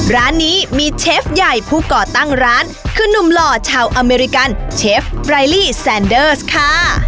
ร้านนี้มีเชฟใหญ่ผู้ก่อตั้งร้านคือนุ่มหล่อชาวอเมริกันเชฟรายลี่แซนเดอร์สค่ะ